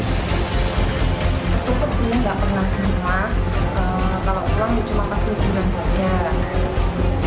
tertutup sih nggak pernah ke rumah kalau pulang di rumah di rumah saja